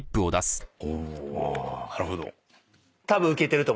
おなるほど。